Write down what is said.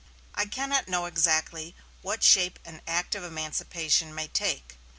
I cannot know exactly what shape an act of emancipation may take.